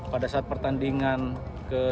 pada saat pertandingan ke solo kemarin itu